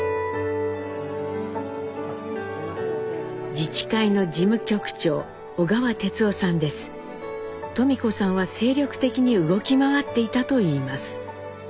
自治会の事務局長登美子さんは精力的に動き回っていたといいます。